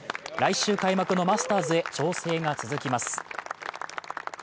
来週開幕のマスターズへ調整が続きます。